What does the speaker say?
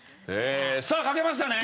さあ書けましたね？